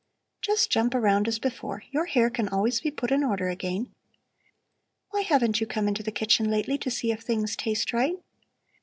"Just jump around as before! Your hair can always be put in order again. Why haven't you come into the kitchen lately to see if things taste right?"